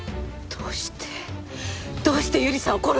どうして百合さんを殺したの！？